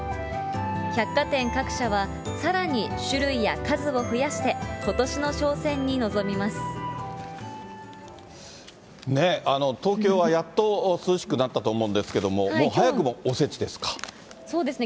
百貨店各社は、さらに種類や数を増やして、ねえ、東京はやっと涼しくなったと思うんですけど、そうですね。